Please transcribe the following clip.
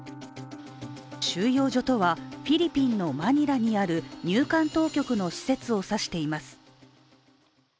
収容所とは、フィリピンのマニラにある入管当局の施設を指しています。